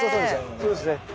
そうですね。